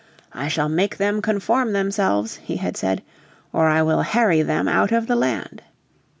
"I shall make them conform themselves," he had said, "or I will harry them out of the land."